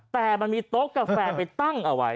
แต่มันมีโต๊ะกาแฟไปตั้งเอาไว้